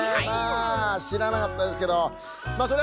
まあしらなかったですけどま